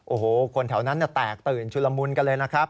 โอ้โหคนแถวนั้นแตกตื่นชุลมุนกันเลยนะครับ